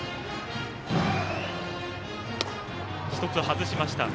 １つ外しました。